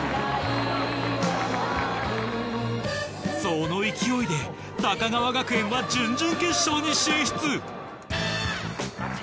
その勢いで高川学園は準々決勝に進出。